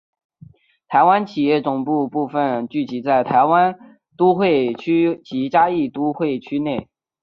台湾企业总部部份聚集在台南都会区及嘉义都会区内。